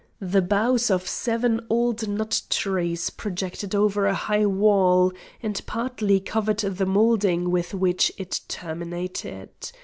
The boughs of seven old nut trees projected over a high wall, and partly covered the moulding with which it terminated.